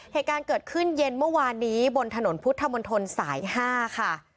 เหตุการณ์เกิดขึ้นเย็นเมื่อวานนี้บนถนนพุทธมนตรสาย๕ค่ะ